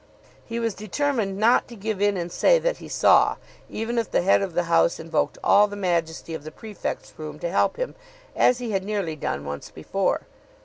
He was determined not to give in and say that he saw even if the head of the house invoked all the majesty of the prefects' room to help him, as he had nearly done once before.